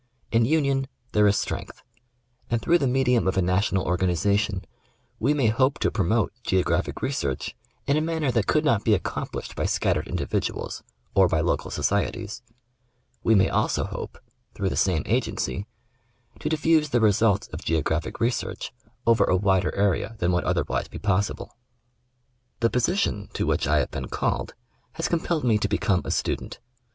In union there is strength, and through the medium of a national organization, we may hope to promote geographic research in a manner that could not be accomplished by scattered individuals, or by local societies; we may also hope — through the same agency — to dif fuse the results of geographic research over a wider area than would otherwise be possible. 4 National Geograjphic Magazine. The position to which I have been called has compelled me to become a student.